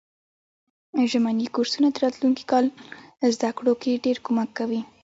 ژمني کورسونه د راتلونکي کال زده کړو کی ډیر کومک کوي.